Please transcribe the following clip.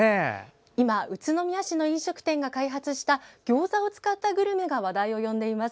今、宇都宮市の飲食店が開発したギョーザを使ったグルメが話題を呼んでいます。